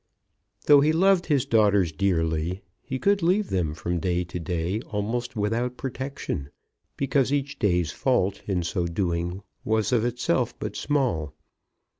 Though he loved his daughters dearly, he could leave them from day to day almost without protection, because each day's fault in so doing was of itself but small.